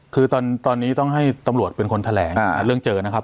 คือตอนนี้ต้องให้ตำรวจเป็นคนแถลงเรื่องเจอนะครับ